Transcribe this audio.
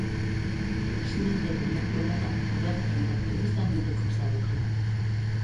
Presidente venezuelarra irratian eta telebistan egiteko prest agertu da.